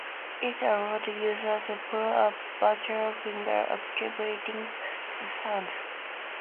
It allowed users to pull a virtual finger, activating the sound.